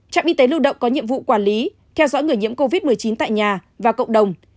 trạm y tế lưu động có nhiệm vụ quản lý theo dõi người nhiễm covid một mươi chín tại nhà và cộng đồng